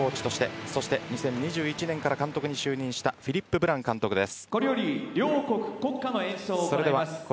２０１７年から日本代表コーチとしてそして２０２１年から監督に就任したフィリップ・ブラン監督です。